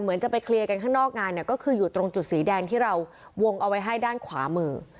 เหมือนจะไปเคลียร์กันข้างนอกงานเนี่ยก็คืออยู่ตรงจุดสีแดงที่เราวงเอาไว้ให้ด้านขวามือ